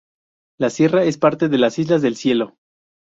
La sierra es parte de las islas del Cielo.